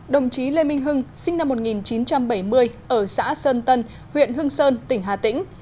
đồng chí lê minh hưng sinh năm một nghìn chín trăm bảy mươi ở xã sơn tân huyện hưng sơn tỉnh hà tĩnh